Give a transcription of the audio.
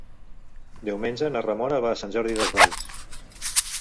Diumenge na Ramona va a Sant Jordi Desvalls.